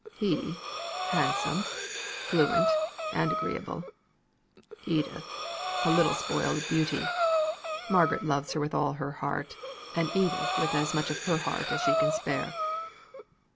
"He, handsome, fluent, and agreeable. Edith, a sweet spoiled beauty. Margaret loves her with all her heart, and Edith with as much of her heart as she can spare."